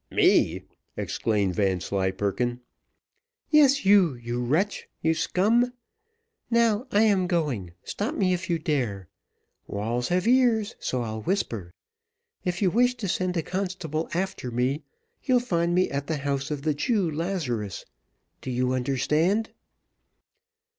"Me!" exclaimed Vanslyperken. "Yes, you you wretch you scum. Now I am going, stop me if you dare. Walls have ears, so I'll whisper. If you wish to send a constable after me, you'll find me at the house of the Jew Lazarus. Do you understand?"